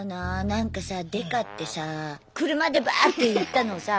なんかさデカってさ車でバーッて行ったのをさ